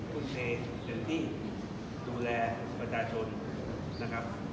คุณเชนเต็มที่ดูแลประชาชนนะครับ